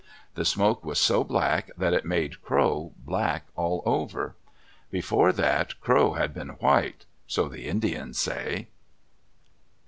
The smoke was so black that it made Crow black all over. Before that Crow had been white; so the Indians say.